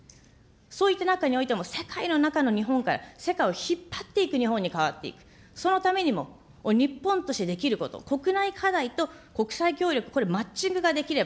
そういった中においても、世界の中の日本から世界を引っ張っていく日本に変わっていく、そのためにも日本としてできること、国内課題と国際協力、これ、マッチングができれば